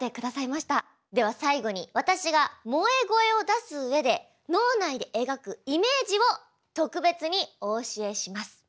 では最後に私が萌え声を出すうえで脳内で描くイメージを特別にお教えします。